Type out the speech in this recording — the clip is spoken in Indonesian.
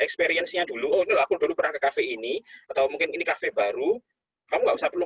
experience nya dulu oh ini aku dulu pernah ke cafe ini atau mungkin ini kafe baru kamu nggak usah perlu